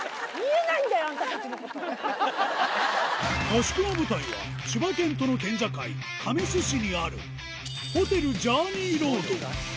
合宿の舞台は、千葉県との県境、神栖市にある、ホテルジャーニィーロード。